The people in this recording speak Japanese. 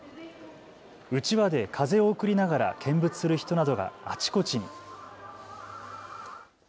うちわで風を送りながら見物する人などがあちこちに。